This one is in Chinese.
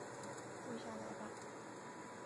住下来吧